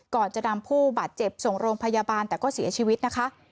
ก่อนจะนำผู้บาดเจ็บส่งโรงพยาบาลแต่ก็เสียชีวิตนะคะ